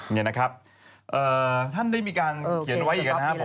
นี่นะครับท่านได้มีการเขียนไว้อีกนะครับ